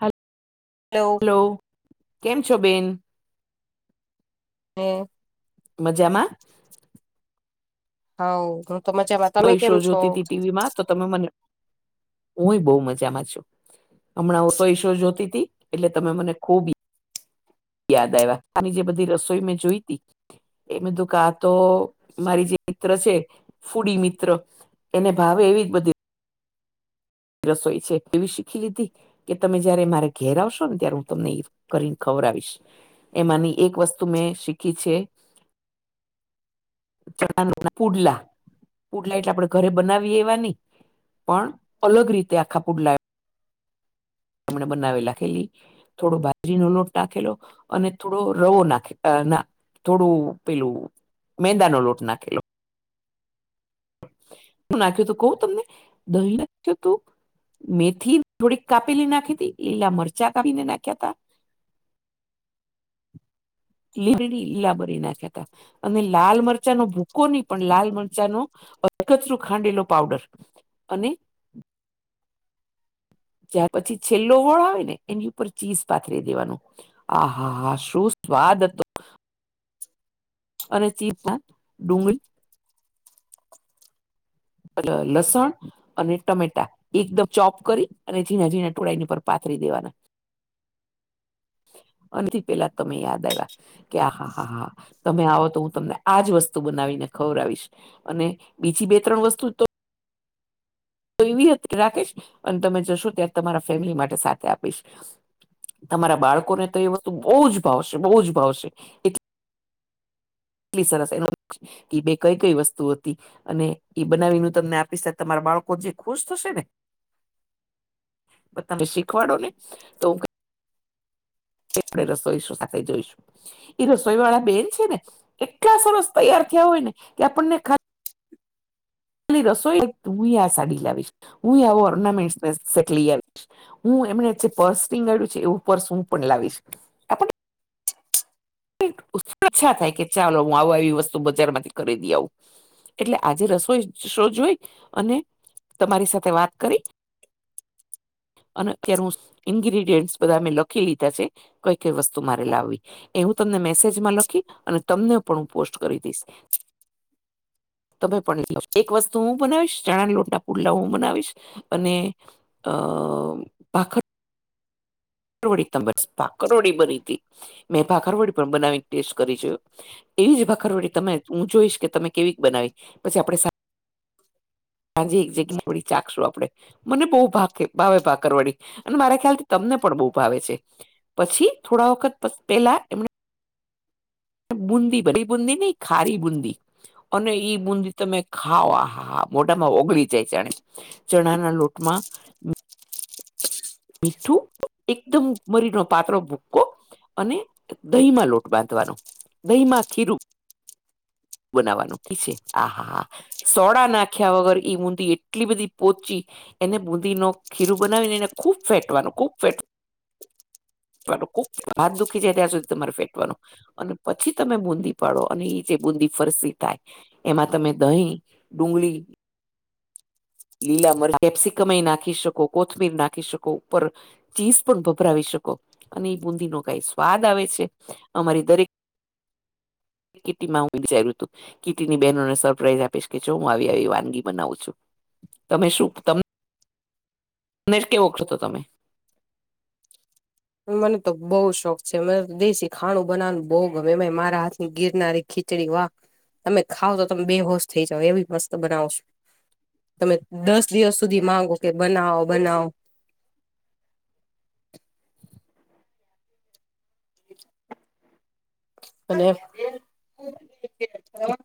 હે hello. Hello, કેમ છો બેન? [unintelligible] મજામાં. હા હું તો મજામાં, તમે કોઈ કેમ શો છો? જોતી હતી તો તમે મને હુંએ બહુ મજામાં છું. હમણાં ઓસો સો જોતી તી એટલે તમે મને ખુબ યાદ આવ્યા આની જે બધી રસોઈ મેં જોઈ તી એ બધું કા તો મારી જે મિત્ર છે ફૂડી મિત્ર. એને ભાવે એવી જ બધી રસોઈ છે કેવી શીખી લીધી. કે તમે જયારે મારે ઘેર આવશો ને, ત્યારે હું તમને એ કરીને ખવડાવીશ. એ માની મેં એક વસ્તુ શીખી છે. ચણાના પુડલા પુડલા એટલે આપડે ઘરે બનાવીએ એવા નઈ, પણ અલગ રીતે આખા પુડલા એમણે બનાવી નાખેલી. થોડો બાજરીનો લોટ નાખેલો અને થોડો રવો નાખે ના થોડું પેલું મેંદા નો લોટ નાખેલો. શું નાખ્યું તું કવું તમને દહી નાખ્યું તું મેથી થોડીક કાપીલી નાખીતી લીલા મરચા કાપીને નાખ્યા તા લીબડી લબરી નાખયા તા અને લાલ મરચાનો ભૂકો નહી પણ લાલ મરચાનો અધચરું ખાંડેલો પાવડર અને ત્યાર પછી છેલ્લો વળ આવે ને એની ઉપર ચીઝ પાથરી દેવાનું. આ હા હા શું સ્વાદ હતો. અને [inaudible] ડુંગળી પેલા લસણ અને ટમેટા એકદમ ચોપ કરી અને ઝીણા ઝીણા ટોળાઈને એના ઉપર પાથરી દેવાના. અનેથી પેલા તમે યાદ આવ્યા. કે આહા હા હા તમે આવો તો હું તમને આજ વસ્તુ બનાવીને ખવરાવીશ. અને બીજી બે ત્રણ વસ્તુ તો તો એવી રાખીશ અને તમે જશો ત્યારે તમારા ફેમિલી માટે સાથે આપીશ. તમારા બાળકોને તો એ વસ્તુ બહુ જ ભાવશે બહુ જ ભાવશે એટલે એટલી સરસ એનું બે કઈ કઈ વસ્તુ હતી. અને એ બનાવીને તમને આપીશ ને તમારા બાળકો જે ખુશ થશે ને તમે શીખવાડો ને તો હું આપણે રસોઈ શો સાથે જોઈશું. એ રસોઈ વાળા બેન છે ને એટલા સરસ તૈયાર થયા હોય ને કે આપણને ખા ખાલી રસોઈ હું આ સાડી લાવીશ હું ઓર્નામેન્ટને સેટ લઈ આવીશ હું એમને જે પર્સ ટીગાડ્યું છે એવું પર્સ હું પણ લાવીશ આપણને [unintelligible] થાય કે ચાલો હું આવ આવી વસ્તુ બજારમાંથી ખરીદી આવું એટલે આજે રસોઈ શો જોઈ અને તમારી સાથે વાત કરી અને અત્યારે હું ઇન્ગ્રીડિયન્ટસ બધા મેં લખી લીધા છે કઈ કઈ વસ્તુ મારે લાવવી એ હું તમને મેસેજમાં લખી અને તમને પણ હું પોસ્ટ કરી દઈશ તમે પણ એક વસ્તુ હું બનાવીશ ચણાની લોટના પુલા હું બનાવીશ અને અ પાખ વળી ભાખરવડી બની હતી મેં ભાખરવડી પણ બનાવીને ટેસ્ટ કરી છે એવી જ ભાખરવડી તમે હું જોઈશ કે તમે કેવી બનાવી પછી આપડે શા હાજે એક જગ્યા થીડી ચાખશું આપડે મને બહું ભહું ભાવે ભાક વળી અને મારા ખ્યાલથી તમને પણ બહુ ભાવે છે. પછી થોડા વખત પ પેહલા એમણે બુંદી [unintelligible] બુંદી નહીં ખારી બુંદી અને ઈય બુંદી તમે ખાઓ આ હા હા મોઢામાં ઓગળી જાય જાણે, ચણાના લોટમાં મીઠું એકદમ મરીનો પાતળો ભૂકો અને દહીંમાં લોટ બાંધવાનો, દહીંમાં ખીરું બનાવવાનું બાકી છે આ હા હા સોડા નાખ્યા વગર ઈ બુંદી એટલી બધી પોચી એને બુંદીનો ખીરું બનાવીને એને ખૂબ ફેટવાનું, ખૂબ ફેટ વાનું ખૂબ હાથ દુઃખી જાય ત્યાં સુધી તમારે ફેટવાનું અને પછી તમે બુંદી પાડો અને ઈ રીતે બુંદી ફરસી થાય. એમાં તમે દહીં, ડુંગળી, લીલા મરચ, કેપ્સિકમ એ નાખી શકો, કોથમીર નાખી શકો ઉપર. ચીઝ પણ ભભરાવી શકો અને એ બુંદીનો કઈ સ્વાદ આવે છે. અમારી દરેક કિટીમાં [unintelligible] વિચાર્યું હતું કીટીની બહેનોને સરપ્રાઈઝ આપીશ કે જો હું આવી આવી વાનગી બનાવું છું. તમે શું તમ કેવો [unintelligible] તો તમે મને તો બઉ શોખ છે મને તો દેશી ખાણું બનાવાનું બહુ ગમે ઈમાય મારા હાથની ગિરનારી. ખીચડી. વાહ, તમે ખાવ તો તમે બેહોશ થઈ જાવ એવી મસ્ત બનાવુ છું. તમે દસ દિવસ સુધી માંગો કે બનાવો, બનાવો. [inaudible] અન [unintelligible]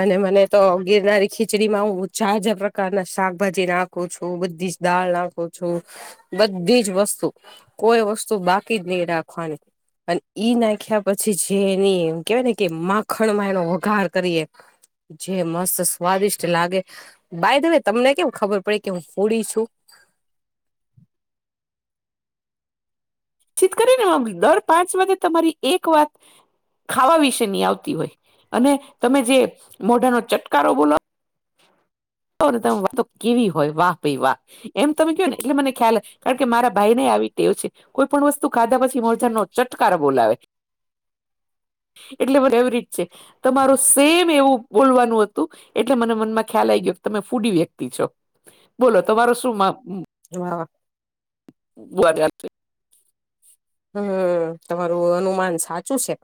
અને મને તો ગિરનારી ખીચડીમાં હું જાત જાત પ્રકારના શાકભાજી ના ખું છું. બધી જ દાળ નાખું છું. બધી જ વસ્તુ. કોઈ વસ્તુ બાકી જ નહી રાખવાની. અન ઈ નાખ્યા પછી જે એની એમ કેવાય ને કે મા ખણમાં એનો વઘાર કરીએ. જે મસ્ત સ્વાદિષ્ટ લાગે. બાાય ધ વે તમને કેમ ખબર પડે કે હું ફૂડી છું? ચિત કરીને દર પાંચ વાગે તમારી એક વાત ખાવા વિશેની આવતી હોય અને તમે જે મોઢાનો ચટકારો બોલો તો તમે વાતો કેવી હોય વાહ ભઈ વાહ એમ તમે કયો ને એટલે મને ખ્યાલ કારણ કે મારા ભાઈને આવી ટેવ છે કોઈ પણ વસ્તુ ખાધા પછી મોઢાંનો ચટકારો બોલાવે. એટલે [unintelligible] છે. તમારું સેમ એવું બોલવાનું હતું એટલે મને મનમાં ખ્યાલ આવી ગયો તમે ફૂડી વ્યક્તિ છો, બોલો તમારો શું મા મ હા. [unintelligible] હમ્મ, તમારું અનુમાન સાચું છે.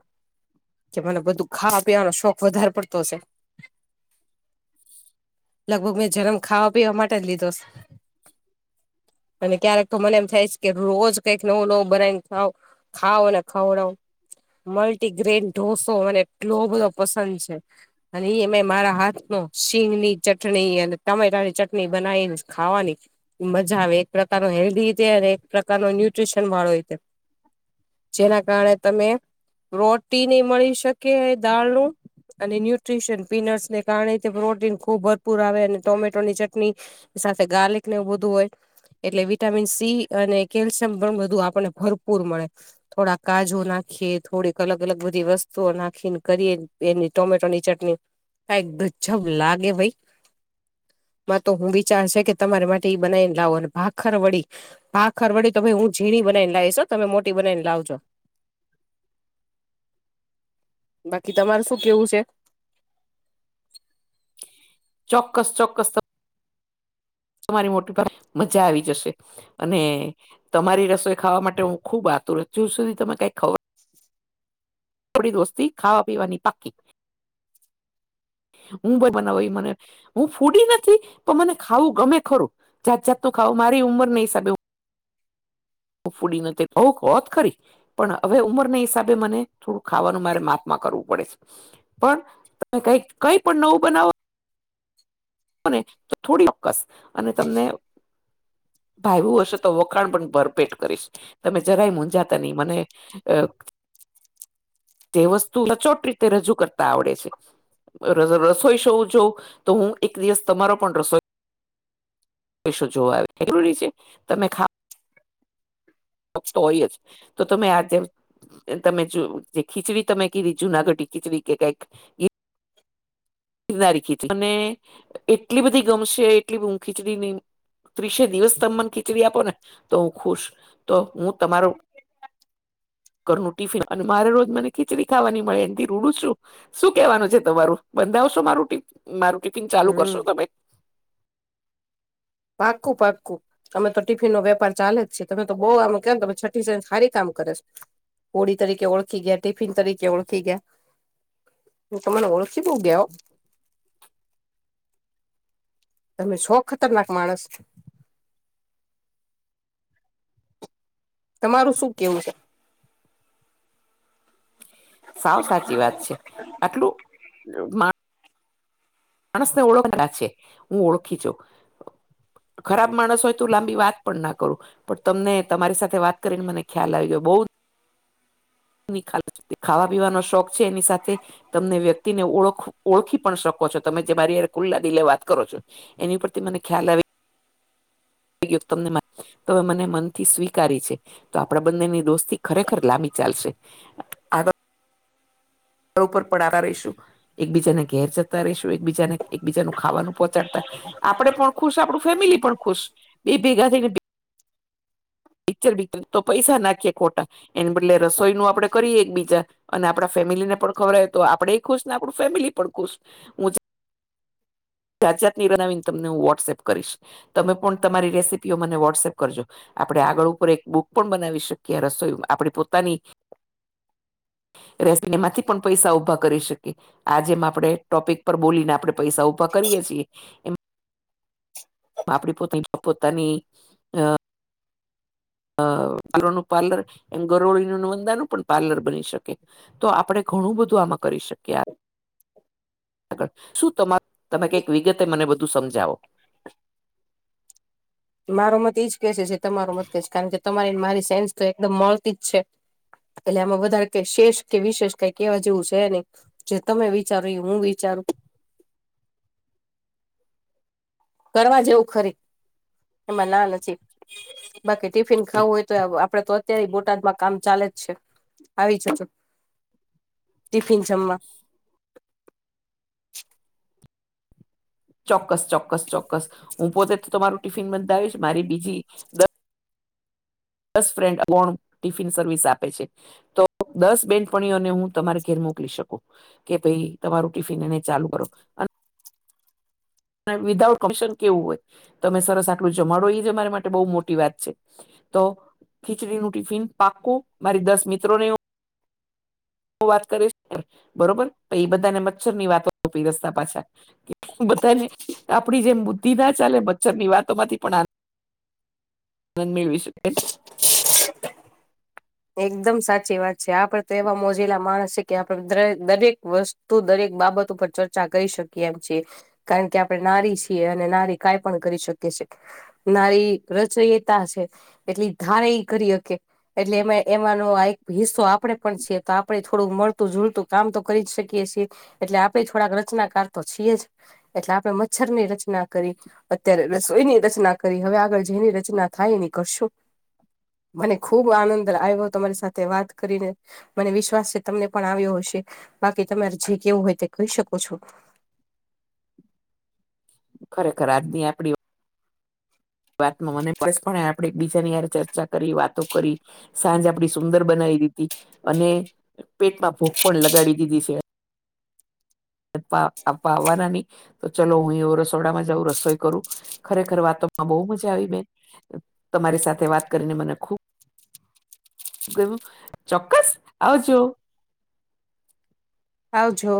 કે મને બધું ખાવા પીવાનો શોખ વધારે પડતો શે. લગભગ મેં જન્મ ખાવા પીવા માટે જ લીધો શ. અને ક્યારેક તો મને એમ થાય છે કે રોજ કંઈક નવું નવું બનાવીને ખાઉ, ખાવ અને ખવડાવો. મલ્ટીગ્રેન ઢોસો મને એટલો બધો પસંદ છે. અને ઈય મેં મારા હાથનો સિંગની ચટણી અને ટમેટાની ચટણી બનાવીને ખાવાની મજા આવે. એક પ્રકારનો હેલ્ધી રીતે અને એક પ્રકારનો ન્યુટ્રીશનવાળો રીતે. જેના કારણે તમે પ્રોટીનએ મળી શકે એ દાળનું. અને ન્યુટ્રીશન પીનટસને કારણે તે પ્રોટીન ખુબ ભરપૂર આવે અને ટોમેટોની ચટણી. સાથે ગાર્લિક ને એવું બધું હોય. એટલે વિટામિન સી અને કેલ્શિયમ ઘણું બધું આપને ભરપૂર મળે. થોડા કાજુ નાખીએ, થોડીક અલગ અલગ બધી વસ્તુઓ નાખીને કરીએ, એની ટોમેટોની ચટણી. કંઈક ગજબ લાગે ભાઈ. મા તો હું વિચાર છે કે તમારી માટે એ બનાવીને લાવો અને ભાખર વડી. ભાખર વડી તો ભાઈ હું ઝીણી બનાવીને લાવીશ હો, તમે મોટી બનાવીને લાવજો. બાકી તમારુ શું કેવું છે? ચોક્કસ, ચોક્કસ. તમારી મોટી ભ, મજા આવી જશે. અને તમારી રસોઈ ખાવા માટે હું ખુબ આતરુત છું. હુ તમે કઈ ખવ થોડી દોસ્તી ખાવા પીવાની પાક્કી. હું ભાઈ બનાવ ઈ મને હું ફૂડી નથી, પણ મને ખાવું ગમે ખરું, જાત જાતનું ખાવું મારી ઉંમરના હિસાબે. ફૂડી નથી, આવ હોત ખરી. પણ હવે ઉંમરના હિસાબે મને થોડું ખાવાનું મારે માપમા કરવું પડે છે. પણ તમે કઈ કઈ પણ નવું બના વોને તો થોડી [inaudible] અને તમને ભાવ્યુ હશે તો વખાણ પણ ભરપેટ કરીશ. તમે જરાય મૂંઝાતા નઈ મને અ. તે વસ્તુ સચોટ રીતે રજૂ કરતા આવડે છે. રસોઈ શો જોઉં તો હું એક દિવસ તમારો પણ રસોઈ પૈસો જોવા આવે જરૂરી છે, તમે ખા [inaudible] તો હોય જ. તો તમે આજે તમે જો જે ખીચડી તમે કીધી જુનાગઢી ખીચડી કે કઈક ઈ [inaudible] રનારી ખીચડી અને એટલી બધી ગમશે એટલી બ હું ખીચડીની ત્રીસે દિવસ તમે મને ખીચડી આપોને તો હું ખુશ. તો હું તમારો ઘરનું ટિફિન અને મારે રોજ મને ખીચડી ખાવાની મળે એમથી રૂડું છું. શું કેવાનું છે તમારું? બંધાવશો મારૂ મારું ટિફિન ચાલુ કરશો હમ તમે? પાક્કું, પાક્કું. અમે તો ટિફિનનો વેપાર ચાલે જ છે, તમે તો બહુ આમે કે તમે છઠ્ઠી સા સારી કામ કરે. હોળી તરીકે ઓળખી ગયા, ટિફિન તરીકે ઓળખી ગયા. હ, તમે મને ઓળખી બઉ ગયા હો. તમે સો ખતરનાક માણસ. તમારું શું કેવું છે? સાવ સાચી વાત છે. આટલું મા માણસને ઓળખવાના છે. હું ઓળખી જઉં. ખરાબ માણસ હોય તો લાંબી વાત પણ ના કરું. પણ તમને તમારી સાથે વાત કરીને મને ખ્યાલ આવી ગયો બઉ [inaudible] ખાવા પીવાનો શોખ છે એની સાથે. તમને વ્યક્તિને ઓખ ઓળખી પણ શકો છો. તમે જે મારી હારે ખૂલ્લા દિલે વાત કરો છો. એની ઉપરથી મને ખ્યાલ આવી ગયો કે તમને માર તમે મને મનથી સ્વીકારી છે. તો આપડા બંનેની દોસ્તી ખરેખર લાંબી ચાલશે. ઉપર પડાતા રહીશું, એકબીજાને ઘેર જતા રહીશું, એકબીજા એકબીજાનું ખાવાનું પહોંચાડતા આપડે પણ ખુશ આપણું ફેમિલી પણ ખુશ એ ભેગા થઈને પિક્ચર ભિક્ચર તો પૈસા નાખીએ ખોટા એને બદલે રસોઈ નું આપડે કરીએ એક બીજા અને આપણા ફેમિલી ને પણ ખબરાય તો આપડેય ખુશ ને આપણું ફેમિલી પણ ખુશ જાત જાતની બનાવીને તમને હું વોટ્સએપ કરીશ, તમે પણ તમારી રેસીપીઓ મને વોટ્સએપ કરજો. આપણે આગળ ઉપર એક બુક પણ બનાવી શકીએ, રસોઈ આપણે પોતાની [unintelligible] રેસી એમાંથી પણ પૈસા ઊભા કરી શકીએ આજે એમ આપણેે ટોપિક પર બોલીને પૈસા ઉભા કરી શકી ઊંભા કરીએ એ છીએ એમ આપડે પોતે જ પોતાની અ અ [inaudible] પાર્લર એમ ગરોળીનું વંદાનું બની શકે. તો આપડે ઘણું બધું આમાં કરી શકીએ આ આગળ શું તમારુ તમે કંઈક વિગતે મને બધું સમજાવો. [inaudible] મારો મત એજ કે છે જે તમારો મત કેશે કારણ કે તમારી મારી સેન્સ તો એકદમ મળતી જ છે. એટલે એમાં વધારે કઈક શેષ કે વિશેષ કઈ કેવા જેવું છે નહીં. જે તમે વિચારો એ હું વિચારું. કરવા જેવું ખરી એમાં ના નથી. બાકી ટિફિન ખાવું હોય તો આપડે તો અત્યારે બોટાદમાં કામ ચાલે જ છે આવી જજો ટિફિન જમવા ચોક્કસ ચોક્કસ ચોક્કસ હું પોતે તો તમારું ટિફિન બંધાવીશ મારી બીજી દ દસ ફ્રેન્ડ અબોન ટિફિન સર્વિસ આપે છે. તો દસ બેનપણીઓને હું તમારે ઘેર મોકલી શકું. કે ભાઈ તમારું ટિફિન એને ચાલુ કરો અન ને વિધાઉટ કમિશન કેવું હોય તમે સરસ આટલું જમાડો એ જ અમારા માટે બહુ મોટી વાત છે. તો ખીચડીનું ટિફિન પાક્કું મારી દસ મિત્રોને હું. હું વાત કરીશ બરોબર પણ એ બધાને મચ્છર ની વાતો પિરસ્તા પાછા બધાને આપડી જેમ બુદ્ધિ ના ચાલે મચ્છર ની વાતો માંથી પણ આ નંદ મેળવીશ શકાય. એકદમ સાચી વાત છે, આપડે તો એવા મોજીલા માણસ છે કે આપડે દર દરેક વ તો દરેક બાબત ઉપર ચર્ચા કરી શકી એમ છે. કારણ કે આપણે નારી છીએ અને નારી કાઈ પણ કરી શકે છે. નારી રચયતા છે એટલી ધારે કરી હકે એટલે એમાં એમાંનો આ એક હિસ્સો આપણેે પણ છીએ તો આપણે થોડું મળતું જોલતું કામ તો કરી જ શકીએ છીએ એ એટલે આપે થોડાક રચનાકાર તો છીએ જ એટલે આપણે મચ્છર ની રચના કરી. અત્યારે રસોયની રચના કરી હવે આગળ જેની રચના થાય એની કરશું. મને ખુબ આનંદર આવ્યો તમારી સાથે વાત કરીને. મને વિશ્વાસ છે, તમને પણ આવ્યો હશે, બાકી તમારે જે કેવું હોય તે કહી શકો છો. ખરેખર આજ ની આપડી વાતમાં મને બસ પણ આપણે એક બીજાની યારે ચર્ચા કરી વાતો કરી સાંજ આપડી સુંદર બનાવી દીધી અને પેટમાં ભુખ પણ લગાડી દીધી છે. પા આપવા આવવાના ની તો ચલો હું એવુ રસોડામાં જઉં રસોઈ કરું ખરેખર વાતોમાં બઉ મજા આવી બેન તમારી સાથે વાત કરીને મને ખુબ ગયમુ ચોક્કસ આવજો આવાજો.